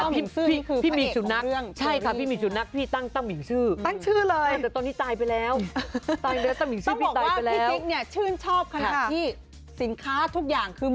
อ๋อเต้ามิงซื่อนี่คือพระเอกของเรื่อง